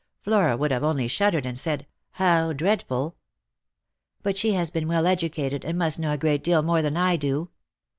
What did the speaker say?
Flora would have only shuddered, and said ' How dreadful !'"" But she has been well educated, and must know a great deal more than I do."